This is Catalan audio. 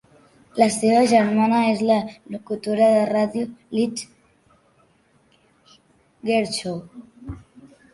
La seva germana és la locutora de ràdio Liz Kershaw.